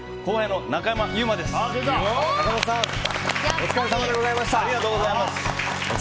お疲れさまでございました。